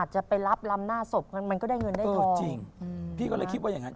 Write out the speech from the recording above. โชว์แรกเลย